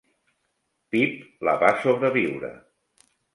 Pip la va sobreviure.